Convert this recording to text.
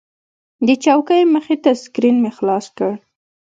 د چوکۍ مخې ته سکرین مې خلاص کړ.